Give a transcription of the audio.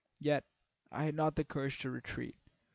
Yet I had not the courage to retreat.